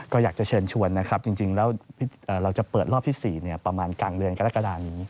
ก็อยากจะเชิญชวนนะครับจริงแล้วเราจะเปิดรอบที่๔ประมาณกลางเดือนกรกฎานี้